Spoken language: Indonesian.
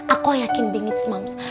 aku yakin bengits moms